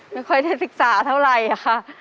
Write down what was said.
ไม่ค่อยได้ศึกษาเท่าไหร่ค่ะ